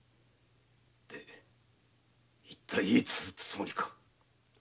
では一体いつ撃つつもりか？